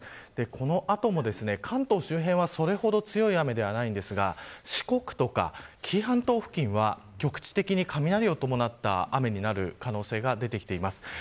この後も関東周辺はそれほど強い雨ではないんですが四国とか紀伊半島の付近は局地的に雷を伴った雨になる可能性が出てきています。